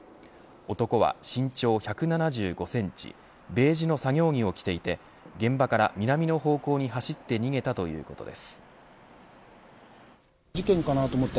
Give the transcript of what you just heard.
男は身長１７５センチベージュの作業着を着ていて現場から南の方向に走って逃げたということです。